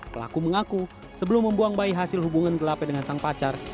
pelaku mengaku sebelum membuang bayi hasil hubungan gelapnya dengan sang pacar